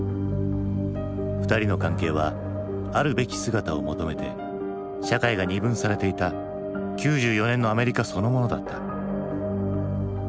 ２人の関係はあるべき姿を求めて社会が二分されていた９４年のアメリカそのものだった。